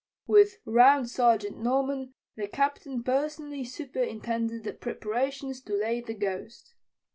With Round Sergeant Norman, the Captain personally superintended the preparations to lay the ghost.